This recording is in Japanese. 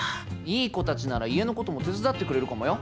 いい子たちなら家の事も手伝ってくれるかもよ。